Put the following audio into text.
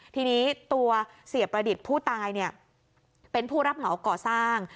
ทีนี้ตัวเสียประดิษฐ์ผู้ตายเป็นผู้รับเหมาก่อสร้าง